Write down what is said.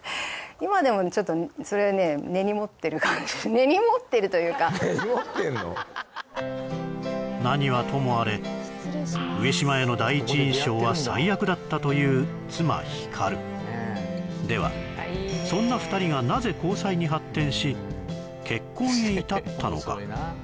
根に持ってるというか根に持ってんの何はともあれだったという妻・光ではそんな２人がなぜ交際に発展し結婚へ至ったのか？